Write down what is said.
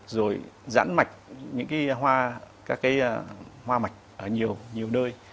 rồi giãn mạch những cái hoa các cái hoa mạch ở nhiều nhiều nơi